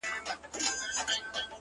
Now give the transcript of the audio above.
سیاه پوسي ده ورته ولاړ یم